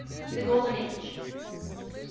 THE GOLDEN AGE. 14.